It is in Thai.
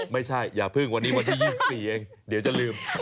ไม่ใช่อย่าพึ่งวันนี้๒๔อย่างเดี๋ยวจะลืม